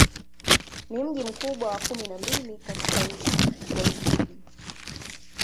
Ni mji mkubwa wa kumi na mbili katika nchi wa Uswidi.